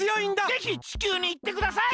ぜひ地球にいってください！